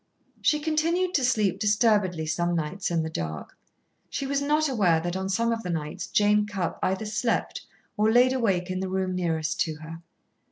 She continued to sleep, disturbedly some nights, in the dark. She was not aware that on some of the nights Jane Cupp either slept or laid awake in the room nearest to her.